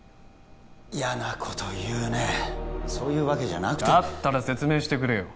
嫌なこと言うねそういうわけじゃなくてだったら説明してくれよ